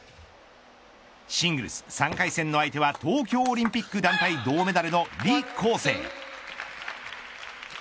シングルス３回戦の相手は東京オリンピック団体銅メダルの李皓晴。